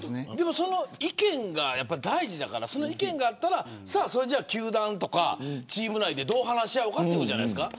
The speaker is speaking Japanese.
その意見が大事だから球団やチーム内でどう話し合うかということじゃないですか。